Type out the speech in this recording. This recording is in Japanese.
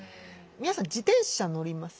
皆さん自転車乗ります？